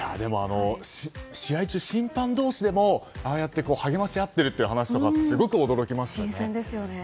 試合中、審判同士でもああやって励まし合っている話とかってすごく驚きましたね。